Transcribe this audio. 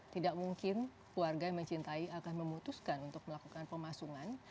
tidak mungkin keluarga yang mencintai akan memutuskan untuk melakukan pemasungan